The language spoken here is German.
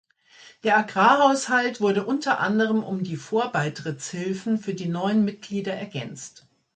Der Agrarhaushalt wurde unter anderem um die Vorbeitrittshilfen für die neuen Mitglieder ergänzt.